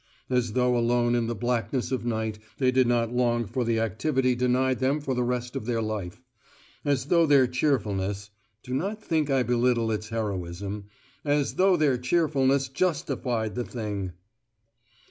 As though alone in the blackness of night they did not long for the activity denied them for the rest of their life. As though their cheerfulness (do not think I belittle its heroism) as though their cheerfulness justified the thing!